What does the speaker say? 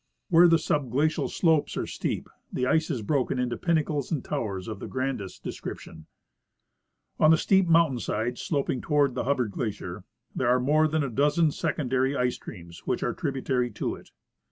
Where the subglacial slopes are steep, the ice is broken into pinnacles and towers of the grandest description. On the steep mountain sides sloping toward the Hubbard glacier there are more than a dozen secondary ice streams which are tributary to it.